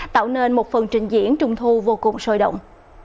tạo nên một phần trình diễn trung thu vô cùng sôi động